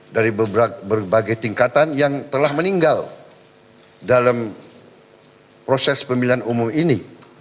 dari berbagai tingkatan yang telah meninggal dalam proses pemilihan umum ini